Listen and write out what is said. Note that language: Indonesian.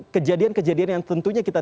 kejadian kejadian yang tentunya kita